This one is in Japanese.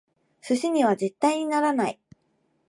寿司には絶対にならない！